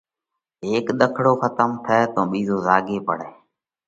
هيڪ ۮکڙو کتم ٿئه تو ٻِيزو زاڳي پڙئه۔